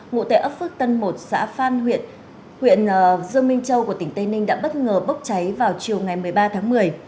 ngụ tại ấp phước tân một xã phan huyện dương minh châu của tỉnh tây ninh đã bất ngờ bốc cháy vào chiều ngày một mươi ba tháng một mươi